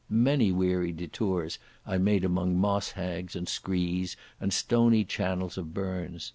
Many weary detours I made among moss hags and screes and the stony channels of burns.